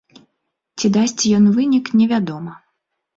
Ці дасць ён вынік, невядома.